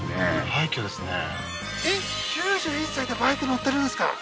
廃墟ですねえっ９１歳でバイク乗ってるんですか？